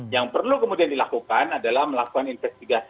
yang perlu kemudian dilakukan adalah melakukan investigasi